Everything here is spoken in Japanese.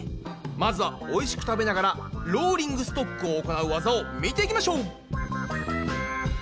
まずはおいしく食べながらローリングストックを行うワザを見ていきましょう！